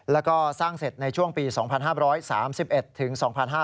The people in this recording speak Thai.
แล้วก็สร้างเสร็จในช่วงปี๒๕๓๑ถึง๒๕๕๙